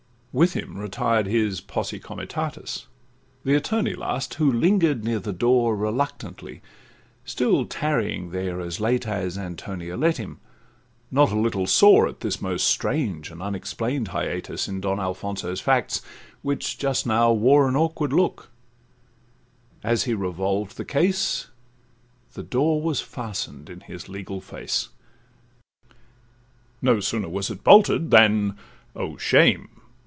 With him retired his 'posse comitatus,' The attorney last, who linger'd near the door Reluctantly, still tarrying there as late as Antonia let him—not a little sore At this most strange and unexplain'd 'hiatus' In Don Alfonso's facts, which just now wore An awkward look; as he revolved the case, The door was fasten'd in his legal face. No sooner was it bolted, than—Oh shame!